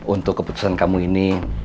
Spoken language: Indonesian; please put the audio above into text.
untuk keputusan kamu ini